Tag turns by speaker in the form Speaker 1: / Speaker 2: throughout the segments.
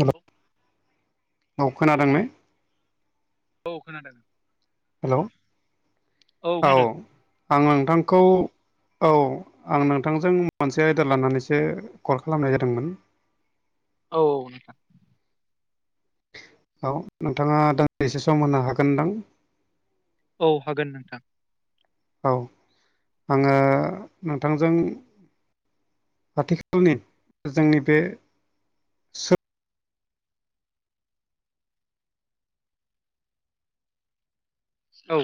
Speaker 1: हेल' औ खोनादों ने
Speaker 2: औ खोनादों
Speaker 1: हेल' औ आं नोंथांखौ औ आं नोंथांजों मोनसे आयदा लानानैसो कल खालामनाय जादोंमोन
Speaker 2: औ औ नोंथां
Speaker 1: औ नोंथाङा दान्दिसे सम होनो हागोनदां
Speaker 2: औ हागोन नोंथां
Speaker 1: औ आङो नोंथांजों आथिखालनि जोंनि बे सो
Speaker 2: औ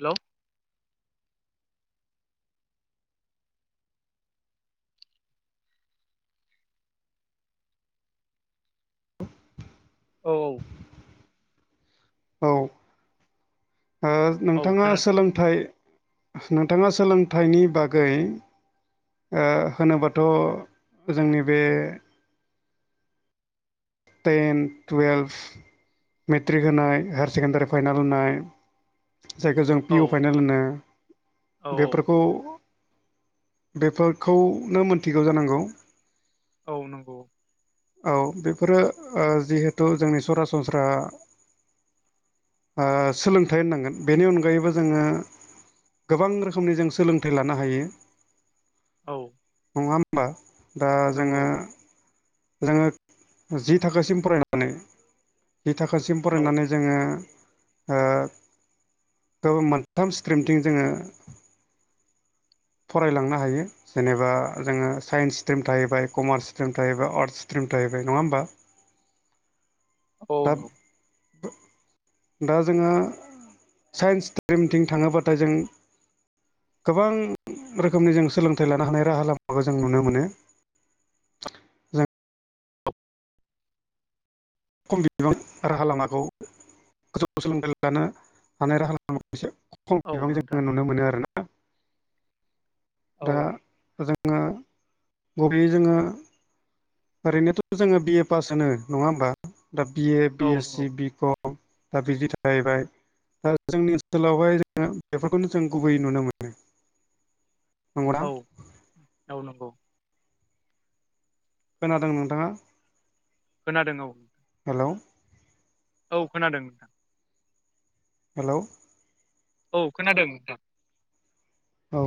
Speaker 2: हेलौ औ
Speaker 1: औ ओ
Speaker 2: औ
Speaker 1: नोंथाङा
Speaker 2: खोनादों
Speaker 1: सोलों थाय नोंथाङा सोलोंथाइनि बागै ओ होनोबाथ' जोंनि बे टेन टुवेल्भ मेट्रिक होनाय हायार सेकेण्डारि फाइनाल होनाय जायखौ जों पि
Speaker 2: औ
Speaker 1: अ फाइनेल होनो
Speaker 2: औ
Speaker 1: बेफोरखौ बेफोरखौनो मोनथिगौ जानांगौ
Speaker 2: औ नंगौ
Speaker 1: औ बेफोरो ओ जिहेथु जोंनि सरासनस्रा ओ सोलोंथाइ होननांगोन बेनि अनगायैबो जोङो गोबां रोखोमनि जों सोलोंथाइ लानो हायो
Speaker 2: औ
Speaker 1: नङा होमबा दा
Speaker 2: नंगौ
Speaker 1: जोङो जोङो जि थाखासिम फरायनानै जि थाखासिम
Speaker 2: औ
Speaker 1: फरायनानै जोङो ओ गोबां मोनथाम स्ट्रिमथिं जोङो फरायलांनो हायो जेनेबा जोङो साइन्स स्ट्रिम थाहैबाय कमार्स स्ट्रिम थाहैबाय आर्टस स्ट्रिम थाहैबाय नङा होनबा
Speaker 2: औ
Speaker 1: दा
Speaker 2: नंगौ
Speaker 1: दा जोंहा साइन्स स्ट्रिमथिं थाङोब्लाथाय जों गोबां रोखोमनि जों सोलोंथाइ लानो हानाय राहा लामाखौ जों नुनो मोनो जों खम बिबां राहा लामाखौ गोजौ सोलोंथाइ लानो हानाय राहालामाखौ एसे खम
Speaker 2: औ नोंथां
Speaker 1: जोङो नुनो मोनो आरोना
Speaker 2: औ
Speaker 1: दा जोङो गुबग्लि जोङो ओरैनोथ' जोङो बिए पास होनो नङा होमबा दा बिए
Speaker 2: औ
Speaker 1: बि एस
Speaker 2: नंगौ
Speaker 1: सि बि कम दा बिदि थाहैबाय दा जोंनि ओनसोलावहाय जोङो बेफोरखौनो जों गुबैयै नुनो मोनो नंगौना
Speaker 2: औ औ नंगौ
Speaker 1: खोनादों नोंथाङा
Speaker 2: खोनादों औ
Speaker 1: हेलौ
Speaker 2: औ खोनादों नोंथां
Speaker 1: हेलौ
Speaker 2: औ खोनादों नोंथां
Speaker 1: औ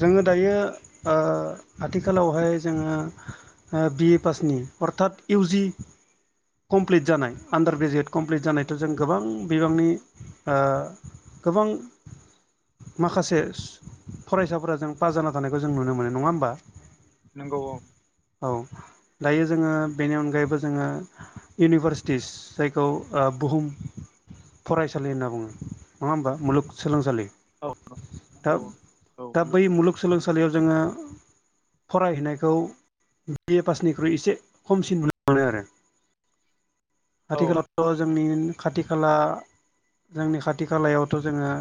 Speaker 1: जोङो दायो ओ आथिखालावहाय जोङो ओ बिए पासनि अर्थात इउजि कमप्लिट जानाय आन्दार ग्रेजुवेट कमप्लिट जानायथ' जों गोबां बिबांनि ओ गोबां माखासे सु फरायसाफोरा जों पास जाना थानायखौ जों नुनो मोनो नङा होमबा
Speaker 2: नंगौ औ
Speaker 1: औ दायो जोङो बेनि अनगायैबो जोङो इउनिभारसिटिस जायखौ ओ बुहुम फरायसालि होनना बुङो नङा होमबा मुलुगसोलोंसालि
Speaker 2: औ औ
Speaker 1: दा
Speaker 2: नंगौ औ
Speaker 1: दा बै
Speaker 2: मुलुगसोलों
Speaker 1: मुलुगसोलोंसालिआव जोङो फरायहैनायखौ बि ए पासनिख्रुइ एसे खमसिन नुनो मोनो आरो
Speaker 2: औ
Speaker 1: आथि खालावथ' जोंनि खाथि खाला जोंनि खाथि खालायावथ' जोङो ओ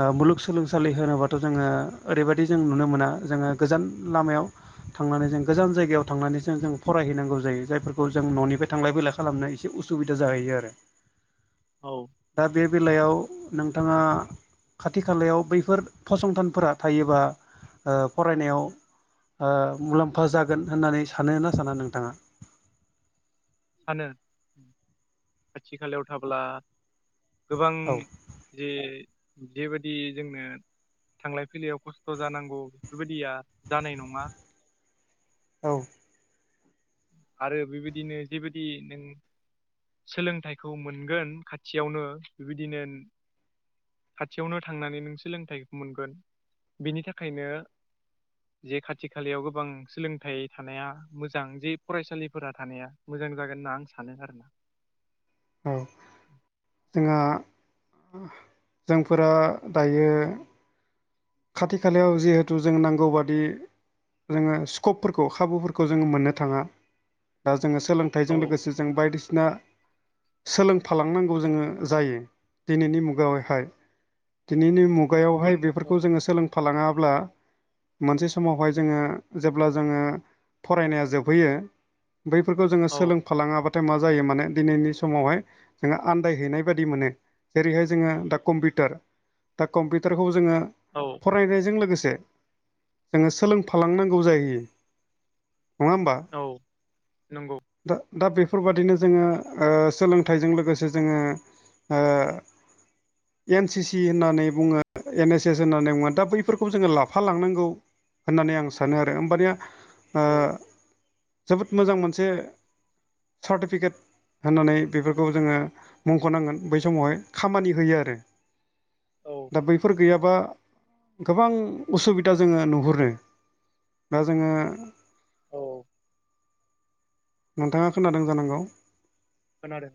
Speaker 1: ओ मुलुगसोलोंसालि होनोबाथ' जोङो ओरैबादि जों नुनो मोना जोङो गोजान लामायाव थांनानै जों गोजान जायगायाव थांनानै जों जों फरायहैनांगौ जायो जायफोरखौ जों न'निफ्राय थांलाय फैलाय खालामनानैसो एसे उसुबिदा जाहैयो आरो
Speaker 2: औ
Speaker 1: दा बे बेलायाव नोंथांआ खाथि खालायाव बैफोर फसंथानफोरा थायोबा फरायनायाव ओ मुलाम्फा जागोन होननानै सानो ना साना नोंथांआ
Speaker 2: सानो खाथि खालायाव थाब्ला गोबां
Speaker 1: औ
Speaker 2: जे जेबादि जोंनो थांलाय फैलायाव खस्थ' जानांगौ बेफोरबादिआ जानाय नङा
Speaker 1: औ
Speaker 2: आरो बेबादिनो जेबादि नों सोलोंथाइखौ मोनगोन खाथिआवनो बिदिनो खाथिआवनो थांनानै नों सोलोंथाइखौ मोनगोन बिनि थाखायनो जे खाथि खालायाव गोबां सोलोंथाइ थानाया मोजां जे फरायसालिफोरा थानाया मोजां जागोन होनना आं सानो आरो ना
Speaker 1: औ जोंहा जोंफोरा दायो खाथि खालायाव जिहेथु जों नांगौबादि जोङो स्किपफोरखौ खाबुफोरखौ जोङो मोननो थाङा दा जोङो सोलोंथाइ
Speaker 2: औ
Speaker 1: हाथायजों लोगोसे जों बायदिसिना सोलोंफालांनांगौ जोङो जायो दिनैनि
Speaker 2: औ
Speaker 1: मुगायावहाय दिनैनि
Speaker 2: औ गुबुन
Speaker 1: मुगायावहाय
Speaker 2: औ
Speaker 1: बेफोरखौ जोङो सोलोंफालांआब्ला मोनसे समावहाय जोङो जेब्ला जोङो फरायनाया जोबहैयो बैफोरखौ जोङो
Speaker 2: औ
Speaker 1: सोलों फालांआब्लाथाय मा जायो माने दिनैनि समावहाय जोङो आन्दायहैनाय बायदि मोनो जेरैहाय जोङो दा कम्पिउटार दा कम्पिउटारखौ जोङो
Speaker 2: औ
Speaker 1: फरायनायजों लोगोसे जोङो सोलोंफालांनांगौ जाहैयो नङा होमबा
Speaker 2: औ नंगौ
Speaker 1: दा दा बेफोरबादिनो जोङो ओ सोलोंथाइजों लोगोसे जोङो ओ एन सि सि होननानै बुङो एन एस सेस होननानै बुङो दा बैफोरखौ जोङो लाफा लांनांगौ होननानै आं सानो आरो होमबानिआ ओ
Speaker 2: औ
Speaker 1: जोबोद मोजां मोनसे सार्टिफिकेट होननानै बेफोरखौ जोङो मुंख'नांगोन बै समावहाय खामानि होयो आरो
Speaker 2: औ
Speaker 1: दा बैफोर गैआबा बा गोबां उसुबिदा जोङो नुहुरो दा जोङो
Speaker 2: औ
Speaker 1: नोंथांआ खोनादों जानांगौ
Speaker 2: खोनादों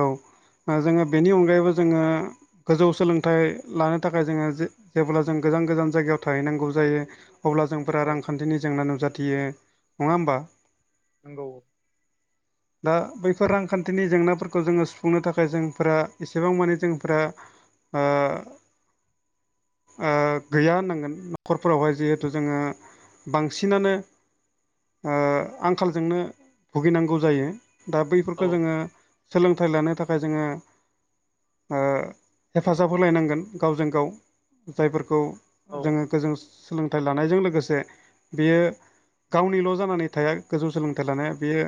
Speaker 1: औ जोङो बेनि अनगायैबो जोङो गोजौ सोलोंथाइ लानो थाखाय जोङो जेब्ला जों गोजान गोजान जायगायाव थाहैनांगौ जायो। अब्ला जोंफोरा
Speaker 2: औ
Speaker 1: रांखान्थिनि जेंना नुजाथियो नङा होमबा?
Speaker 2: नंगौ।
Speaker 1: दा बैफोर रांखान्थिनि जेंनाफोरखौ खौ जोङो सुफुंनो थाखाय जोंफोरा एसेबां मानि जोंफोरा ओ गैया होननांगोन न'खरफोरावहाय जिहेथु जोङो बांसिनानो आंखालजोंनो भुगिनांगौ जायो। दा
Speaker 2: औ
Speaker 1: बैफोरखौ जोङो सोलोंथाइ लानो थाखाय जोङो ओ हेफाजाब होलायनांगोन गावजों गाव जायफोरखौ
Speaker 2: औ
Speaker 1: जोङो गोजों सोलोंथाइ लानायजों लोगोसे बेयो गावनिल' जानानै थाया गोजौ सोलोंथाइ लानाया बेयो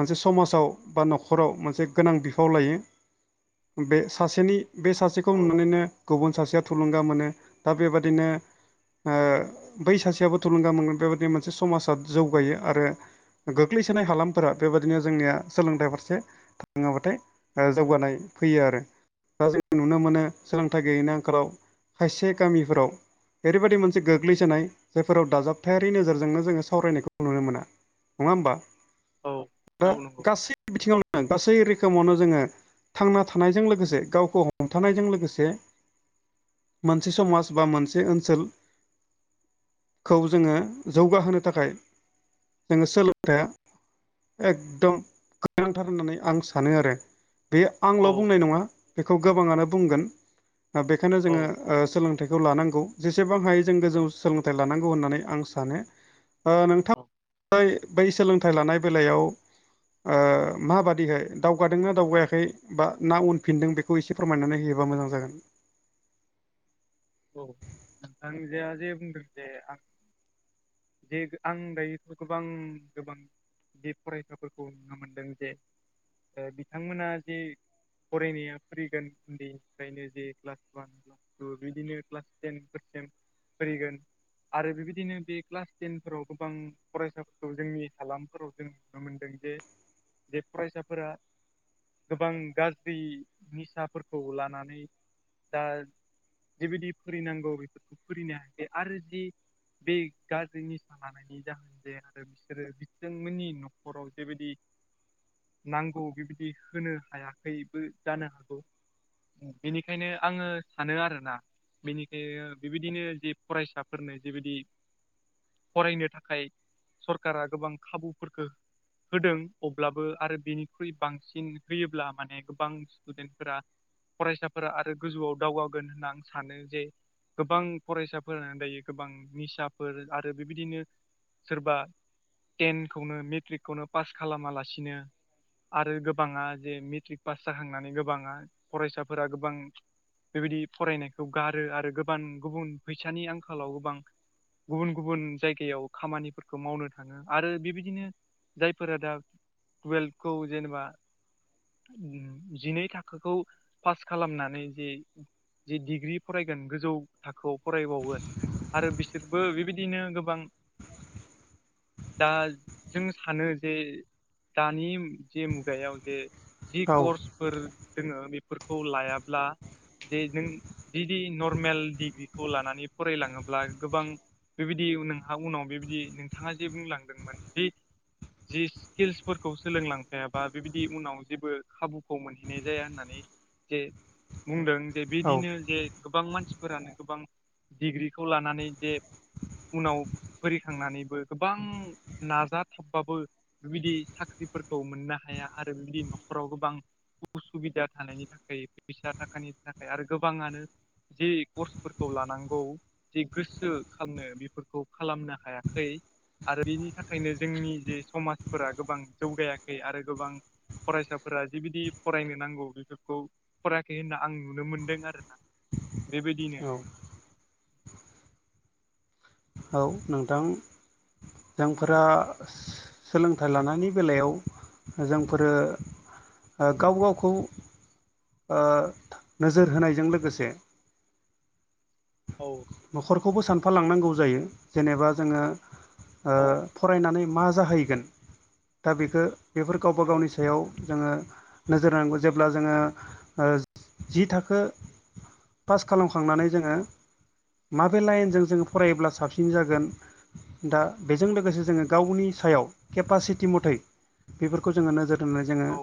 Speaker 1: मोनसे समाजाव बा न'खराव मोनसे गोनां बिफाव लायो बे सासेनि बे सासेखौ
Speaker 2: औ
Speaker 1: नुनानैनो गुबुन सासेया थुलुंगा मोनो दा बेबादिनो ओ बै सासेयाबो थुलुंगा मोनगोन बेबादि मोनसे समाजा जौगायो आरो गोग्लैसोनाय हालामफोरा बेबायादिनो जोंनिया सोलोंथाइ फारसे रोङाब्लाथाय जौगानाय फैयो आरो दा जोंङ नुनो मोनो सोलोंथाइ गैयैनि आंखालाव खायसे गामिफोराव ओरैबायदि मोनसे गोग्लैसोनाय जायफोराव दाजाबथायारि नोजोरजोंनो जोङो सावरायनायखौ नुनो मोना। नङा होमबा दा
Speaker 2: औ नंगौ
Speaker 1: गासै बिथिङावनो गासै रोखोमावनो जोङो थांना थानायजों लोगोसे गावखौ हमथानायजों लोगोसे मोनसे समाज बा मोनसे ओनसोल खौ जोङो जौगाहोनो थाखाय जोङो सोलोंथाइया एकदम गोनांथार होननानै आं सानो आरो बे आंल'
Speaker 2: औ
Speaker 1: बुंनाय नङा बेखौ गोबाङानो बुंगोन। दा बेखायनो जोङो
Speaker 2: औ
Speaker 1: सोलों फथाइखौ लानांगौ जेसेबां हायो जों गोजौ सोलोंथाइ लानांगौ होननानै आं सानो
Speaker 2: औ
Speaker 1: नोंथां बै सोलोंथाइ लानाय बेलायाव माबादि बाददिहाय दावगादोंनाा दावगायाखै बा ना उनफिनदों बेखौ एसे फोरमायनानै होयोबा मोजां जागोन।
Speaker 2: औ नोंथां जे जे बुंदों जे आं जे आं दायो गोबां गोबां बे फरायसाफोरखौ नुनो मोनदों जे बिथांमोना जे फरायनाया फैगोन उन्दैनिफ्रायनो जे क्लास बा बिदिनो क्लास टेन फोरसिम फैगोन आरो बेबायदिनो बे क्लास टेनफोराव गोबां फरायसाफोरखौ जोंनि हालामफोराव जों नुनो मोनदों जे बे फरायसाफोरा गोबां गाज्रि निसाफोरखौ लानानै दा जिबायदि फोरोंनांगौ बेफोरखौ फोरोंनो हायाखै आरो जि बे गाज्रि निसा लानायनि जाहोन जे आरो बिसोरो बिथांमोननि न'खराव जेबायदि नांगौ बेबायदि होनो हायाखैबो जानो हागौ। बेनिखायनो आङो सानो आरोना बेनिखायनो बेबायदिनो जे फरायसाफोरनो जेबायदि फरायनो थाखाय सरकारा गोबां खाबुफोरखौ होदों अब्लाबो आरो बेनिख्रुइ बांसिन होयोब्ला माने गोबां स्टुडेन्टफोरा फरायसाफोरा आरो गोजौआव दावगागोन होनना आं सानो जे गोबां फरायसाफोरानो दायो गोबां निसा फोर आरो बेबायदिनो सोरबा टेनखौनो मेट्रिकखौनो पास खालामालासिनो आरो गोबाङा जे मेट्रिक पास जाखांनानै गोबाङा फरायसाफोरा गोबां बेबायदि फरायनायखौ गारो आरो गोबां गुबुन फैसानि आंखालाव गोबां गुबुन गुबुन जायगायाव खामानिफोरखौ मावनो थाङो आरो बेबायदिनो जायफोरा दा टुवेल्भखौ जेनेबा जिनै थाखोखौ पास खालामनानै जे जे डिग्रि फरायगोन गोजौ थाखोआव फरायबावगोन आरो बिसोरबो बेबायदिनो गोबां दा जों सानो जे दानि जे मुगायाव जे जि
Speaker 1: औ
Speaker 2: कर्सफोर दोङो बेफोरखौ लायाब्ला जे नों जुदि नर्मेल डिग्रिखौ लानानै फरायलाङोब्ला गोबां बेबायदि नोंहा उनाव बेबायदि नोंथाङा जे बुंलांदोंमोन जि जि स्किल्सफोरखौ सोलोंलांफायाबा बेबायदि उनाव जेबो खाबुखौ मोनहैनाय जाया होननानै जे बुंदों जे
Speaker 1: औ
Speaker 2: बिदिनो जे गोबां मानसिफोरानो गोबां डिग्रिखौ लानानै जे उनाव फोखांनानैबो गोबां नाजाथाबबाबो बेबायदि साख्रिफोरखौ मोननो हाया आरो बिदि न'खर राव गोबां उसुबिदा थानायनि थाखाय फैसा थाखानि थाखाय आरो गोबाङानो जि कर्सफोरखौ लानांगौ जि गोसो खालामनो बेफोरखौ खालामनो हायाखै आरो बेनि थाखायनो जोंनि जे समाजफोरा गोबां जौगायाखै आरो गोबां फरायसाफोरा जिबायदि फरायनो नांगौ बेफोरखौ फरायाखै होनना आं नुनो मोनदों आरोना बेबायदिनो
Speaker 1: औ औ नोंथां जोंफोरा सोलोंथाइ लानायनि बेलायाव जोंफोरो गाव गावखौ नोजोर होनायजों लोगोसे
Speaker 2: औ
Speaker 1: न'खरखौबो सानफाालांनांगौ जायो जेनेबा जोङो ओ
Speaker 2: औ
Speaker 1: फरायनानै मा जाहैगोन दा बेखो बेफोर गावबा
Speaker 2: औ
Speaker 1: गावनि सायाव जोङो नोजोर होनांगौ जेब्ला जोङो जि थाखो पास खालामखांनानै जोङो माबे लाइनजों जोङो फरायोब्ला साबसिन जागोन दा बेजों लोगोसे जोङो गावनि सायाव केपासिटि मथै बेफोरखौ जोङो नोजोर फोरनो जोङो
Speaker 2: औ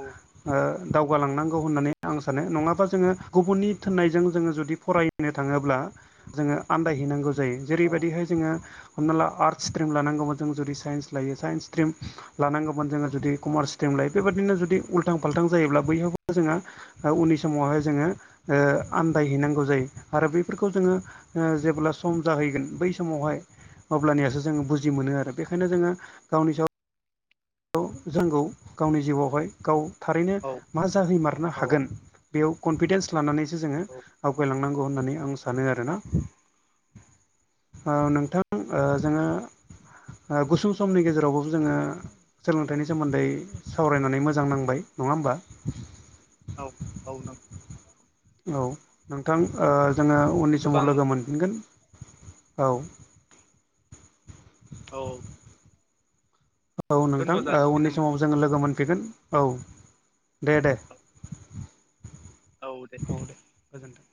Speaker 1: ओ दावगालांनांगौ होननानै आं सानो नङाबा जोङो गुबुननि थिनायजों जोङो जुदि फरायो नो थाङोब्ला जोङो आन्दायहैनांगौ जायो
Speaker 2: औ
Speaker 1: जेरैबायदिहाय जोङो हमना ला आर्टस स्ट्रिम लानांगौमोन जों जुदि साइन्स लायो साइन्स स्ट्रिम लानांगौमोन जोङो जुदि कमार्स स्ट्रिमलाय बेबायाददिनो जुदि उल्थां फाल्थां जायोब्ला बयहाबबो जोंहा उननि समावहाय जोङो ओ आन्दायहैनांगौ जायो आरो बैफोरखौ जोङो जेब्ला सम जाहैगोन बै समावहाय अब्लानियासो जोङो बुजि मोनो आरो बेखायनो जोङो गावनि सायाव जों गाव गावनि जिउआवहाय गाव थारैनो
Speaker 2: औ
Speaker 1: मा जाहैमारनो
Speaker 2: औ
Speaker 1: हागोन बेयाव कनफिडेन्स लानानैसो जोङो
Speaker 2: औ
Speaker 1: आवगायलांनांगौ होननानै आं सानो आरोना ओ नोंथां जोङो गुसुं समनि गेजेरावबाबो जोङो सोलोंथाइनि सोमोन्दै सावरायनानै मोजां नांबाय नङा होमबा
Speaker 2: औ औ नंगौ
Speaker 1: औ नोंथां जोङो उननि समाव
Speaker 2: गोबां
Speaker 1: लोगो मोन गोन औ
Speaker 2: औ
Speaker 1: औ नोंथां
Speaker 2: दोनथ' जासिगोन
Speaker 1: उननि
Speaker 2: होमबा
Speaker 1: समाव जोङो लोगो मोनफैगोन औ दे दे।
Speaker 2: औ दे
Speaker 1: औ दे गोजोन्थों।